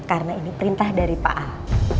karena ini perintah dari pak al